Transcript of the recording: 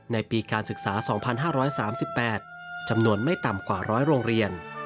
ในปีการศึกษา๒๕๓๘จำนวนไม่ต่ำกว่า๑๐๐โรงเรียน